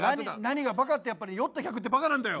何がバカってやっぱり酔った客ってバカなんだよ。